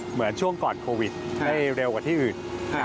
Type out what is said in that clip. เหมือนช่วงก่อนโควิดได้เร็วกว่าที่อื่น